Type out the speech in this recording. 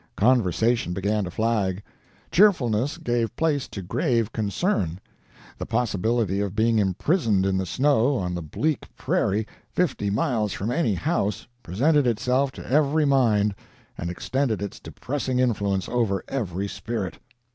Conversation began to flag. Cheerfulness gave place to grave concern. The possibility of being imprisoned in the snow, on the bleak prairie, fifty miles from any house, presented itself to every mind, and extended its depressing influence over every spirit.